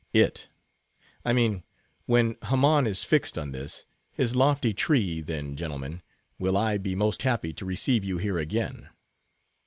it, I mean—when Haman is fixed on this, his lofty tree, then, gentlemen, will I be most happy to receive you here again."